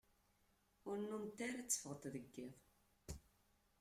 Ur nnument ara tteffɣent deg iḍ.